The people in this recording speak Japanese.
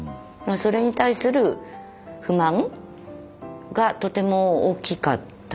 それに対する不満がとても大きかったですね。